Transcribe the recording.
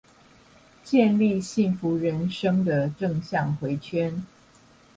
建立幸福人生的正向迴圈